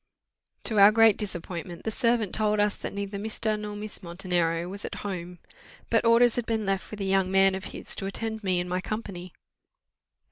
To our great disappointment the servant told us that neither Mr. nor Miss Montenero was at home. But orders had been left with a young man of his to attend me and my company.